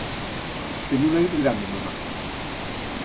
Teño un nariz grande, Mamá?